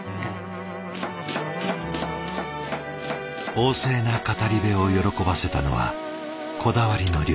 旺盛な語り部を喜ばせたのはこだわりの料理。